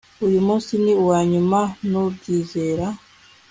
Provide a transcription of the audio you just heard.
uyu munsi ni uwanyuma nubyizera